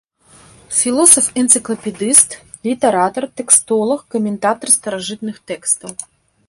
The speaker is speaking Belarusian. Філосаф-энцыклапедыст, літаратар, тэкстолаг, каментатар старажытных тэкстаў.